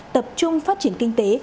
tập trung phát triển kinh tế